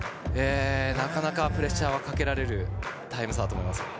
なかなかプレッシャーをかけられるタイム差だと思います。